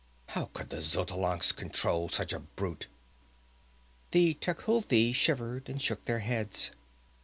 How could the Xotalancas control such a brute?" The Tecuhltli shivered and shook their heads.